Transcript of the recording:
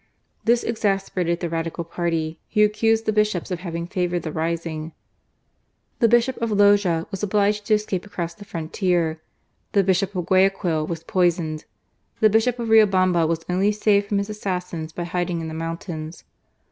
This exasperated the Radical party, who accused the Bishops of having favoured the rising. The Bishop of Loja was obliged to escape across the frontier; the Bishop of Guayaquil was poisoned ; the Bishop of Riobamba was only saved from his assassins by hiding in the mountains.